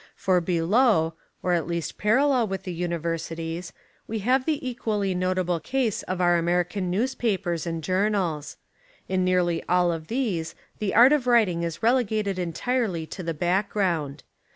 For below, or at least parallel with the universities we have the equally not able case of our American newspapers and journals. In nearly all of these the art of writ ing is relegated entirely to the background.